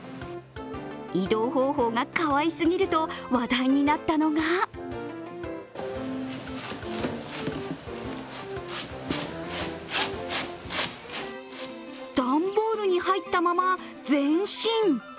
移動方法がかわいすぎると話題になったのが段ボールに入ったまま前進。